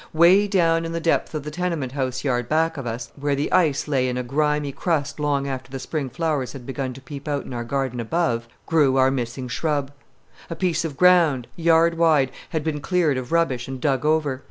Way down in the depth of the tenement house yard back of us, where the ice lay in a grimy crust long after the spring flowers had begun to peep out in our garden above, grew our missing shrub. A piece of ground, yard wide, had been cleared of rubbish and dug over.